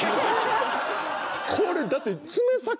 これだって。